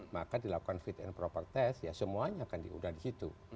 maka dilakukan fit and proper test ya semuanya akan diudah di situ